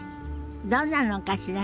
どんなのかしらね。